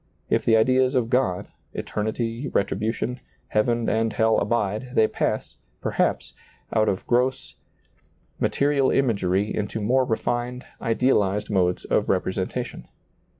If the ideas of God, eternity, retribution, heaven and hell abide, they pass, perhaps, out of gross, material imagery into more refined, ideal ized modes of representation.